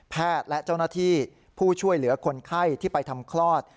และเจ้าหน้าที่ผู้ช่วยเหลือคนไข้ที่ไปทำคลอด